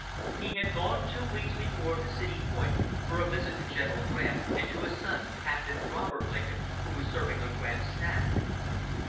He had gone two weeks before to City Point for a visit to General Grant, and to his son, Captain Robert Lincoln, who was serving on Grant's staff.